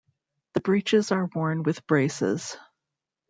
The breeches are worn with braces.